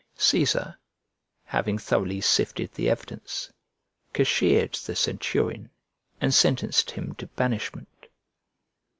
Cæsar, having thoroughly sifted the evidence, cashiered the centurion, and sentenced him to banishment.